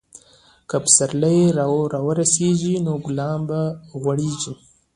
که پسرلی راورسیږي، نو ګلان به وغوړېږي.